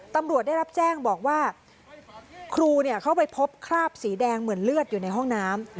ตำรวจได้รับแจ้งบอกว่าครูเข้าไปพบคราบสีแดงเหมือนเลือดอยู่ในห้องน้ำ